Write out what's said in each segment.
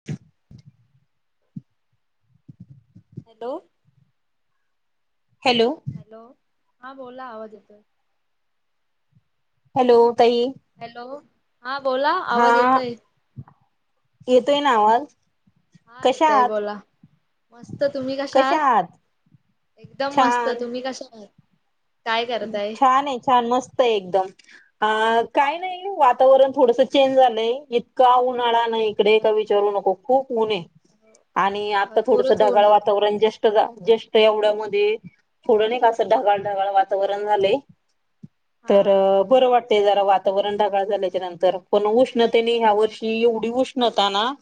[inaudible] Hello hello hello, हा बोला आवाज येतोय. हॅलो ताई हॅलो हा बोला हा आवाज येतय. येतोय ना आवाज? हा कशा येतय आहात बोला, मस्त तुम्ही कशा आहात? एकदम मस्त, छान तुम्ही कशा आहात? काय करताय. छान आहे छान मस्त आहे एकदम. अ काय नाही वातावरण थोडसं चेंज झालंय इतका उन्हाळा ना इकडे का विचारू नको. खूप उण आहे आणि आता थोडसं भरपूरच ऊन ढगाळ आता वातावरण जस्ट जस्ट नाही का येवढ्यामधे थोडं नाही का असं ढगाळ ढगाळ वातावरण झालंय. हा तर बरं वाट ते जरा वातावरण ढगाळ झाल्याच्या नंतर पण उष्णतेने ह्या वर्षी एवढी उष्णता ना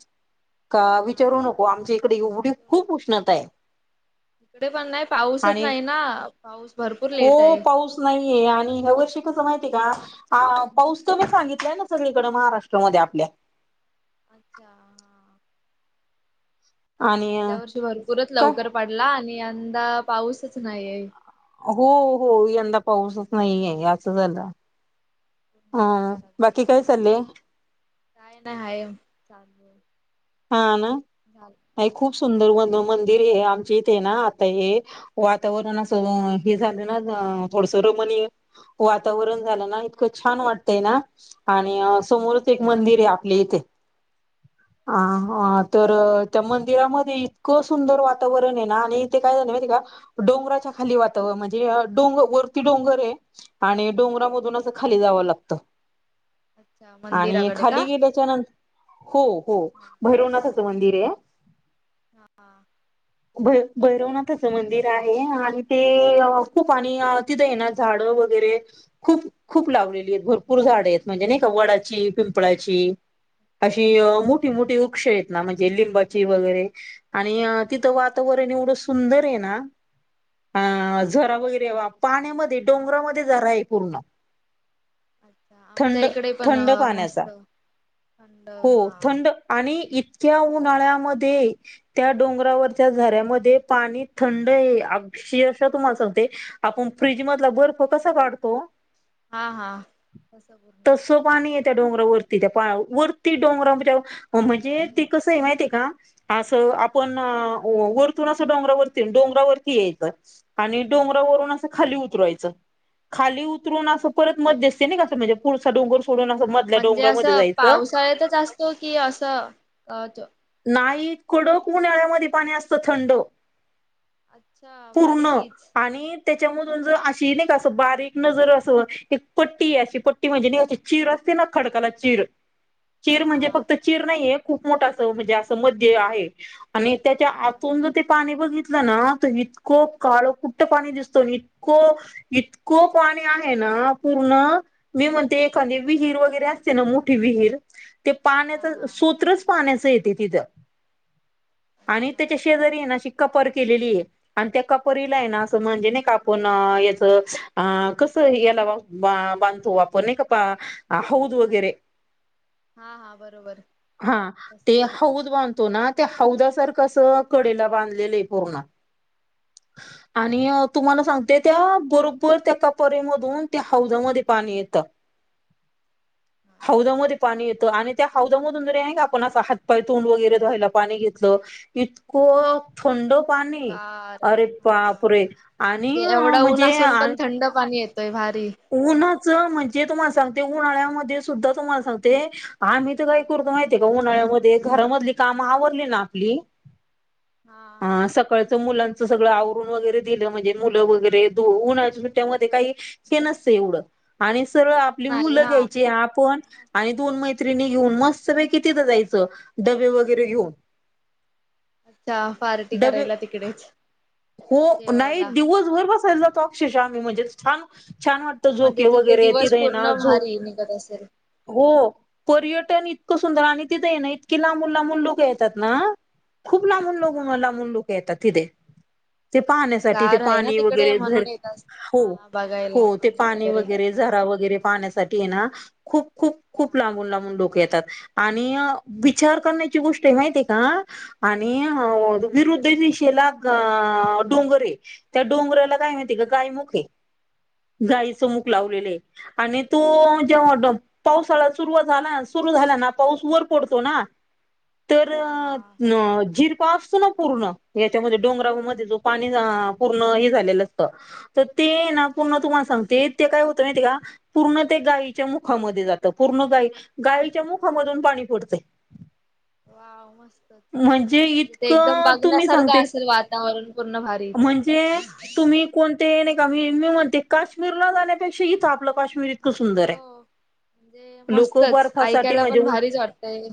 का विचारू हा नको आमच्या इकडे एढी खूप उष्णता आहे. तिकडे पण नाही पाऊसच आणि नाही. ना पाऊस भरपूर लेट हो आहे. पाऊस नाहीये आणि ह्या वर्षी कसं माहितीय का पाऊस तर मी सांगितलंय ना सगळीकडे महाराष्ट्रामध्ये आपल्या. अच्छा हा आणि गेल्या वर्षी भरपूरच काय लवकर पडला आणि यंदा पाऊसच नाहीये. हो हो यंदा पाऊसच नाही आहे असं झालं. पूर्ण वाट हम लागले. बाकी काय चाले? काय नाही हाय चालू आहे. हा ना खूप हा सुंदर झालं मग मंदिर हे आमचे इथे ना आता हे वातावरण असं हे झालं ना थोडसं रमणीय वातावरण झालं ना इतकं छान वाटतंय ना आणि समोरच एक मंदिर आहे आपले इथे. ह अच्छा ह तर त्या मंदिरामध्ये इतकं सुंदर वातावरण आहे ना, आणि ते काय झालं माहिती का? डोंगराच्या खाली वातावरण म्हणजे डोंग वरती डोंगर हे आणि खाली डोंगरामधून असं मंदिर खाली जावं लागत अच्छा आणि मंदिराकडे का खाली गेल्या हो हो हा भैरवनाथच मंदिर आहे. भ भैरवनाथचं मंदिर आहे आणि ते खूप आणि आहे ना झाडं वगैरे खूप खूप लावलेली आहेत भरपूर झाडे आहेत म्हणजे नाही का वडाची पिंपळाची. अशी हा मोठी मोठी वृक्ष येत ना म्हणजे लिंबाची वगैरे आणि तिथं वाव छान वातावरण एवढं सुंदर आहे ना हा अ झरा वगैरे वाप पाण्यामध्ये डोंगरामध्ये जरा आहे पूर्ण. अच्छा आमच्या थंड इकडे पण थंड पाण्याचा मस्त थंड हो हा. थंड आणि इतक्या उन्हाळ्यामध्ये त्या डोंगरावरच्या झाऱ्यामध्ये पाणी थंड आहे अशीशा तुम्हाला सांगते. आपण फ्रीजमधला बर्फ कसा काढतो? हा हा. तसं पाणी येत त्या डोंगरावरती त्या, वरती डोंगरा म्ह म्हणजे ते भारी कसंही माहिती आहे का? असं आपण वर तिथून असं डोंगरावरती, डोंगरावरती यायचं, आणि डोंगरावरून असं खाली उतरायचं. खाली उतरून अच्छा असं परत मत दिसते नाही का, म्हणजे पुरचा डोंगर सोडून असं मधल्या डोंगरामध्ये जायचं. कळतच अस तो कि अस नाही, कडक उन्हाळ्यामध्ये पाणी असतं थंड. अच्छा पूर्ण, भारीच आणि त्याच्यामधून जर अशी, नाही कां बारीक न जर अस एक पट्टी अशी पट्टी म्हणजे चिर असते ना, खडकाला चिर. चिर हा हा म्हणजे फक्त चिर नाहीये, खूप मोठ अस म्हणजे असं मध्य आहे, आणि त्याच्या अच्छा आतून ते पाणी बघितलं ना, त इतकं काळ कुट्ट पाणी दिसत, आणि इतकं इतकं पाणी आहे ना पूर्ण मी म्हणते एखाद विहीर वगैरे असते ना, मोठी विहीर पाण्याच हा हा सूत्रच पाण्याच येते तिथ, आणि अच्छा त्याच्या त्याच्या मस्त शेजारी आहे मग न कपर केलेली आहे. आणि त्या कपरीला आहे ना, असं म्हणजे नाही का आपण याचं अ कसं याला बांधतो आपण, नाही का हौद वगैरे. हा हा, बरोबर. हा, तस ते आहे हौद बांधतो ना ते हौद सारखं अस कडेला बांधलेलं आहे पूर्ण. आणि तुम्हाला सांगते, त्या बरोबर त्या कपरेमधून त्या हौदामध्ये पाणी येतं. हौदामध्ये पाणी येतं आणि ते हौदामधून [unintelligible] आहे का, आपण असं हातपाय तोंड वगैरे धवायला पाणी घेतलं इतकं थंड पाणी, गार अरे हा बापरे, आणि म्हणजे तय भारी. उन्हाचं म्हणजे, तुम्हाला सांगते, उन्हाळ्यामध्ये सुद्धा तुम्हाला सांगते आम्ही तर काही करतो माहितीय का उन्हाळ्यामध्ये, घरामधली काम आवरली ना आपली हा. अ सकाळचं मुलांचं सगळं आवरून वगैरे दिलं, म्हणजे मुलं वगैरे द उन्हा सुट्ट्यामध्येध्ये काही हे नसते एवढं, आणि सरळ आपली नाही मुलं हा. घ्यायची आपण आणि दोन मैत्रिणी घेऊन मस्तपैकी तिथं जायचं, डबे वगैरे घेऊन. अच्छा! पार्टी डबे करायला तिकडेच. हो, नाही जेवायला. दिवसभर बसायला जातो, अक्षरशा, आम्ही म्हणजे छान छान वाटत, म्हणजे झोके तिथे वगैरे, तीथ दिवस हाय आहे ना, पूर्ण झोप भारी निघत असेल. हो. पर्यटन इतकं सुंदर, आणि तिथ ये ना इतकीे लांबून लांबून लोक येतात ना खूप लांबून लोक, हा लांबून लोक येतात तिथे. ते पाहण्यासाठी, ते गार आहे ना पाणी तिकडे वगैरे जर, म्हणून येत अस हो हा बघायला हो, ते पाणी वगैरे झरा वगैरे पाहण्यासाठी ये ना, खूप खूप खूप हा लांबून लांबून लोक येतात. आणि विचार करण्याची गोष्ट माहितीय का आणि विरुद्ध दिशेला अ अ डोंगरे, त्या डोंगराला काय माहिती का गायमुखे गाईच मुक अच्छा लावलेले आहे, आणि तू हा जेव्हा भारी ड पावसाळा सुरुात झाला सुरु झाला ना पाऊस वर पडतो ना तर हा हा जिरपा असतो ना पूर्ण याच्यामध्ये डोंगरा पाणी पूर्ण हे झालेलं असत तर ते ना पूर्ण तुम्हाला सांगते ते काय होतं ना ते का पूर्ण ते गायीच्या मुखामध्ये जातं पूर्ण गाई गायच्या मुखामधून पाणी पडतं वा मस्त म्हणजे जे ते एकदम इतकं तुम्ही बघण्यासारखं सांगते असेल वातावरण पूर्ण भारीच म्हणजे तुम्ही कोणते नाही का मी मी म्हणते काश्मीरला जाण्यापेक्षा इथं आपलं काश्मीर इतकं सुंदर आहे हो म्हणजे लोक मस्तच बर्फासाठी ऐकायला म्हणजे पण उ- भारीच वाटतय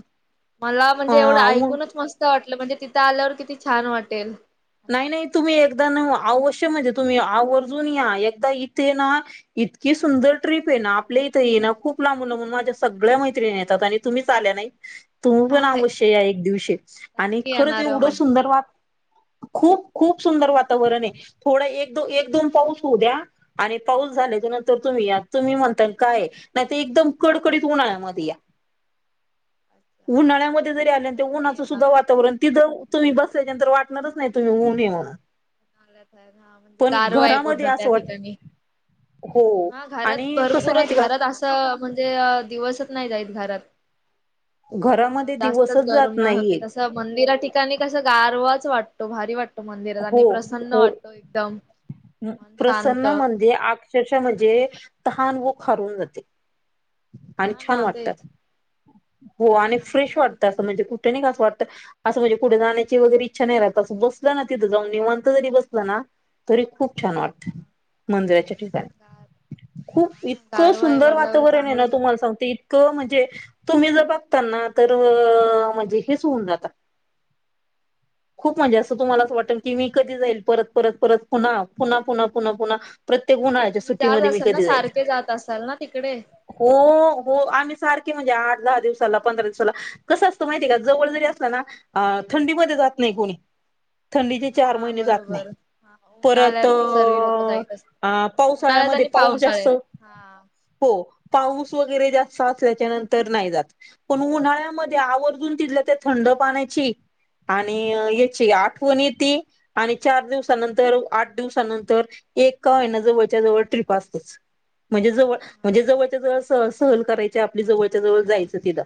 मला अ म्हणजे एवढं उ- ऐकूनच मस्त वाटलं म्हणजे तिथं आल्यावर किती छान वाटेल नाही नाही तुम्ही एकदा न अवश्य म्हणजे तुम्ही आवर्जून या एकदा इथे ना इतकी सुंदर ट्र्रीप ये ना आपल्या इथं ये ना खूप लांबून ला म्हून मा्यागळ्या मैत्रिणी येतात आणि तुम्हीच आल्या नाही तुम्ही हा पण हाय. अवश्य या एक दिवशी आणि नक्की खरंच येणार मग एवढं सुंदर वा खूप खूप सुंदर वातावरण आहे थोडं एक दो एक दोन पाऊस होऊ द्या आणि पाऊस झाल्या तर नंतर तुम्ही आ तुम्ही म्हणताल काय नाही ते एकदम कडकडीत होन मध्ये या अच्छा हा नक्की उनचं येणार. सुद्धा वातावरण ति जर तुम्ही बसल्याच्यानंतर वाटणारच नाही तुम्ही उऊ्ह ये म्हण हा म्हणजे गारव आहे पूर्ण त्या असं वाटत ठिकाणी हो हा घरात आणि कसं भरपूरच माहिती का घरात असं म्हणजे दिवसच नाही जायत घरात मग घरामध्ये जास्तच दिवसच गरम जात न होते नाहीये. त मंदिरा ठिकाणी कस गारवाच वाटतो भारी वाटतो मंदिरात आणि हो प्रसन्न हो वाटतो एकदम मन प्रसन्न शांत. म्ह अक्षश म्हणजे तहान व खारून जाते आणि हा छान ना तेच वाटतात हो छान आणि फ्रेश मंदिरा वाटत ठिकाणी असं म्हणजे कुठे नाही कां वाटत असं म्हणजे कुढे जाण्याचीगैरे इच्छा नाही राहत असं बसलं ना तिथं जाऊन निवंत जरी बसलं ना तरी खूप छान वाटत मंदिराच्या गार ठिकाणी हा खूप ना इतकं गारवा आहे सुंदर बोलल्यावर वातावरण आहे ना चांगलंच तुम्हाला वाटतं. सांगते म्हणजे तुम्ही जर बघता ना तर म्हणजे हेच होऊन जातात खूप म्हणजे असं तुम्हाला अस वाटल की मी कधी जाईल परत परत परत पुन्हा पुन्हा पुन्हा पुन्हा पुन्हा प्रत्येक हा उुन्हाळ्याच्या तुम्ही जात सुट्टीमध्ये मी असाल ना कधी जाय सारखे जात असाल ना तिकडे हो हो आम्ही सारखे म्हणजे आठ दहा दिवसाला पंधरा दिवसाला कसं असतं माहिती आहे का जवळ जरी असला ना थंडीमध्ये जात नाही कोणी थंडीची चार हा महिने जात नाही बरोबर हा परत उन्हाळ्यात सर्व लोक जाईत असतात. उन्हाळ्यात पावसाळ्यामध्ये आणि पाऊस जास्त पावसाळ्यात हा हो पाऊस वगैरे जास्त असल्याच्या नंतर नाही जात पण उन्हाळ्यामध्ये आवर्जून तिथल्या त्या थंड पाण्याची आणि याची आठवणी ती आणि चार दिवसानंतर आठ दिवसानंतर एका महिना जवळच्या जवळ ट्रीप असतेच म्हणजे जवळ म्हणजे जवळच्या जवळ स सहल करायचे आपली जवळच्या जवळ जायचं तिला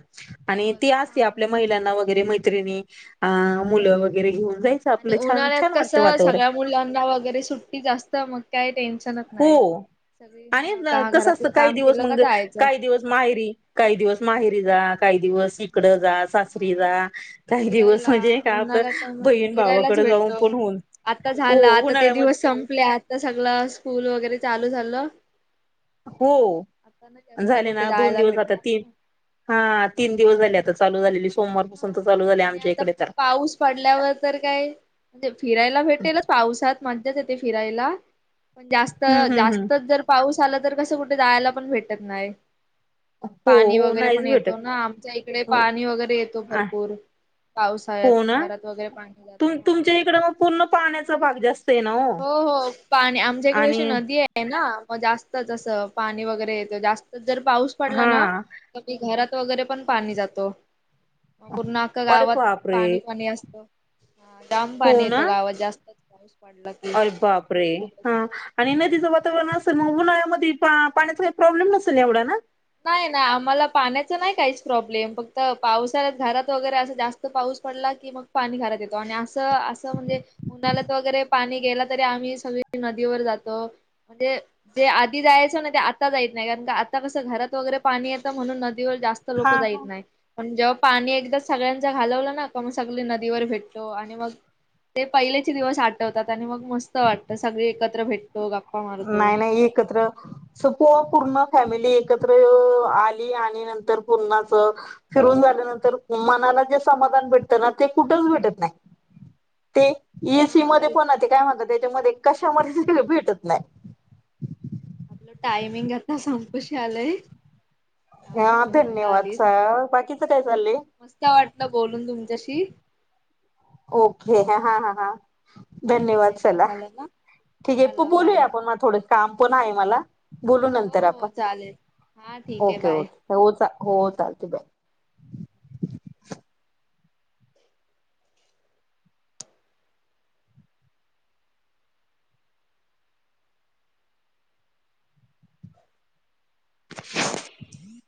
आणि ती जवळच असते हा आपल्या मस्त महिलांना वगैरे मैत्रिणी अ मुलं वगैरे घेऊन जायचं आणि आपलं छान उन्हाळ्यात छान वाटतं कसं वातावरण सगळ्या मुलांना वगैरे सुटी जास्त मग काये नाही हो. सगळी आणि ह घरातलं काम केलं का जायचं. माहिरी काही दिवस माहिरी जा काही दिवस इकडं जा सासरी जा काही दिवस फिरायला म्हणजे का आपलं उन्हाळ्या टाइमात बहीण फिरायलाच भावाकडे जाऊन भेटतो. पण होऊन आता हो झालं आता ते उन्हाळ्यामध्ये दिवस संपले आता सगळ स्कूल वगैरे चालू झालं हो आता ना जास्त झाले कुठे ना दोन जायला दिवस भेटणार जातात तीन ना. हा तीन दिवस झाले आता चालू झालेली सोमवारपासून हा तर चालू झाले आणि आमच्या आता इकडे तर पाऊस पडल्यावर तर काय म्हणजे फिरायला भेटेलच पावसात मज्जाच येते फिरायला पण जास्त हम् हम् हम् जास्तच जर पाऊस आला तर कसं कुठे जायला पण भेटत नाही. मग हो पाणी हो वगैरे नाहीच पण येतो भेटत ना आमच्या इकडे हो पाणी वगैरे येत. आ भरपूर हो पावसाळ्यात घरात वगैरे पाणी जात हा तो पूर्ण पाण्याचा भाग जास्त आहे ना हो हो पाणी आमच्याकडे आणि अशी नदी आहे. ना मग जास्तच असं पाणी वगैरे येत जास्त तर जर पाऊस पडला हा ना तर ते घरात वगैरे पण पाणी जात. मग पूर्ण आख्खा अरे गावात बापरे पाणी पाणी असत जाम पाणी येतो गावात जास्त पाऊस पडला. की अल बापरे भरपूरच हा आणि नदीचं वातावरण अस मग उन्हाळ्यामध्ये पाण्याचा काही प्रॉब्लेम नसेल एवढा ना नाही ना आम्हाला पाण्याच नाही काहीच प्रॉब्लेम फक्त पावसाळ्यात घरात वगैरे असं जास्त पाऊस पडला की मग पाणी घरात येतो आणि असं असं म्हणजे उन्हाळ्यात वगैरे पाणी गेला तरी आम्ही सगळी नदीवर जातो. म्हणजे जे आधी जायचं ना ते आता जाईत नाही कारण आता कसं घरात वगैरे पाणी येतं म्हणून नदीवर जास्त लोक हा जाईत हा नाही. पण जेव्हा पाणी एकदा सगळ्यांच घालवलं ना का मग सगळी नदीवर भेटतो आणि मग ते पहिलेचे दिवस आठवतात आणि मग मस्त वाटतं सगळे एकत्र भेटतो मारतो नाही नाही एकत्र स प पूर्ण फॅमिली एकत्र आली आणि नंतर पूर्णाच फिरून झाल्यानंतर मनाला जे समाधान भेटतं ना ते कुठच भेटत नाही. ते ए सी मध्ये पण ते काय म्हणत त्याच्यामध्ये कशामध्ये स भेटत नाही आपलं टायमिंग आता संपूश आलंय. दहा हा मिनिटे व्हायला धन्यवाद आलीत. सा बाकीचं काय चालंलय. मस्त वाटलं बोलून तुमच्याशी ओके हा एकदम मस्त. हा हा धन्यवाद टायमिंग चला झालं ना ठीक आहे पू चला बाय बोलूया आपण म थोड काम पण आहे मला बोलू हो नंतर हो आपण चालेल हा ठीक आहे ओके बाय. ओके हो चा हो चालते बाय [unintelligible]